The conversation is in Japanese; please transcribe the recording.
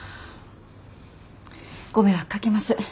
ご迷惑かけます。